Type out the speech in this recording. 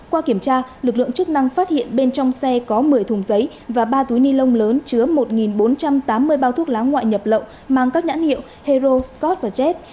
qua kiểm tra lực lượng chức năng phát hiện bên trong xe có một mươi thùng giấy và ba túi ni lông lớn chứa một bốn trăm tám mươi bao thuốc lá ngoại nhập lậu mang các nhãn hiệu hero scot và jet